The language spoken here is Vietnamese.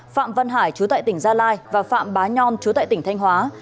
phạm văn hải trú tại tỉnh gia lai và phạm bá nhon trú tại tỉnh thanh hóa